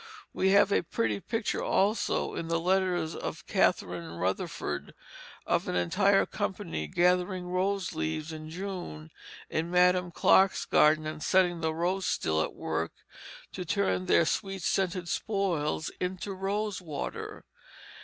We have a pretty picture also, in the letters of Catharine Rutherfurd, of an entire company gathering rose leaves in June in Madam Clark's garden, and setting the rose still at work to turn their sweet scented spoils into rose water.